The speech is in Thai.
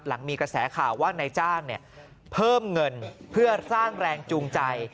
หลังมีกระแสข่าวว่านายจ้างเพิ่มเงินเพื่อสร้างแรงจูงใจ